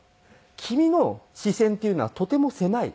君の視線っていうのはとても狭い。